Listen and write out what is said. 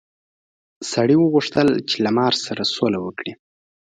سړي وغوښتل چې له مار سره سوله وکړي.